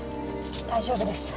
大丈夫です。